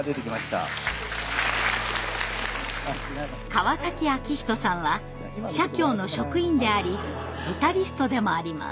川崎昭仁さんは社協の職員でありギタリストでもあります。